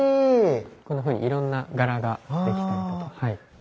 こんなふうにいろんな柄ができたりとか。